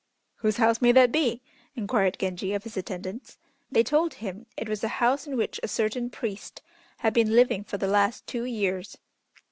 "Whose house may that be?" inquired Genji of his attendants. They told him it was a house in which a certain priest had been living for the last two years.